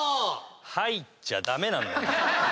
入っちゃ駄目なんだよ。